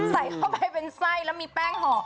ใส่เข้าไปเป็นไส้แล้วมีแป้งห่อ